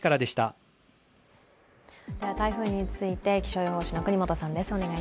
台風について気象予報士の國本さんです。